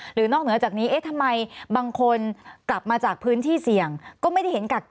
นอกเหนือจากนี้เอ๊ะทำไมบางคนกลับมาจากพื้นที่เสี่ยงก็ไม่ได้เห็นกัก